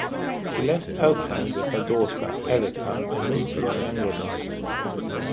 She left Oakland with her daughter, Ericka, and moved to Los Angeles.